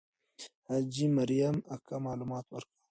حاجي مریم اکا معلومات ورکول.